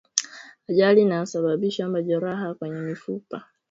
Ajali inayosababisha majeraha kwenye mifupa